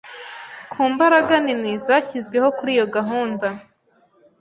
ku mbaraga nini zashyizweho kuriyo gahunda